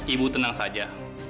ibu tenang saja